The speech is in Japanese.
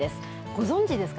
ご存じですか？